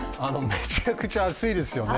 めちゃくちゃ暑いですよね。